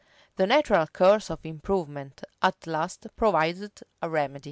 The natural course of improvement at last provided a remedy.